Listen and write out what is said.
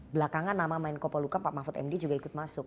belakangan nama main kopo luka pak mahfud md juga ikut masuk